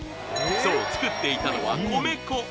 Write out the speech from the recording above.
そう作っていたのは米粉